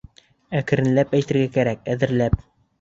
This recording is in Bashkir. Әкренләп әйтергә кәрәк, әҙерләп.